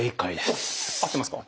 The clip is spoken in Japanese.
おっ合ってますか。